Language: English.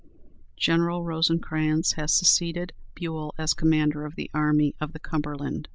General Rosecrans had succeeded Buell as commander of the Army of the Cumberland.